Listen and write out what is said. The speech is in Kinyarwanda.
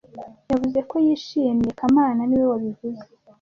Yavuze ko yishimye kamana niwe wabivuze